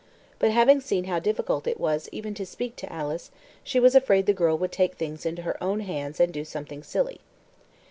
But having seen how difficult it was even to speak to Alice, she was afraid the girl would take things into her own hands and do something silly.